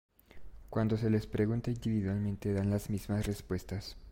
Cuando se les pregunta individualmente, dan las mismas respuestas.